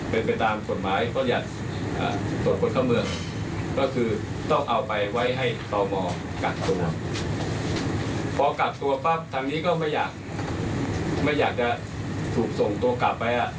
พอกลับตัวปั๊บทางนี้ก็ไม่อยากจะถูกส่งตัวกลับไป